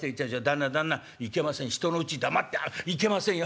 いけません人のうち黙っていけませんよ。